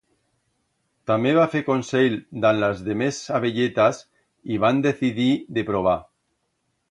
Tamé va fer consell dan las demés abelletas y van decidir de probar.